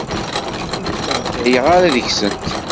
Ur stehzayeɣ deg-sent.